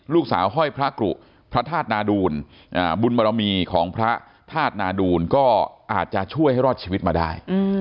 ห้อยพระกรุพระธาตุนาดูลบุญบรมีของพระธาตุนาดูลก็อาจจะช่วยให้รอดชีวิตมาได้